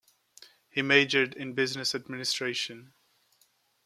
He majored in business administration.